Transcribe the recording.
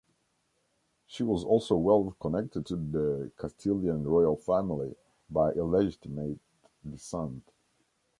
She was also well connected to the Castilian royal family, by illegitimate descent.